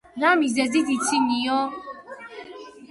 რა მიზეზით იცინიო?